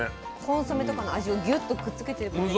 コンソメとかの味をギュッとくっつけてる感じですか。